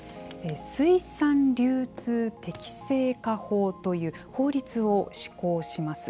水産流通適正化法という法律を施行します。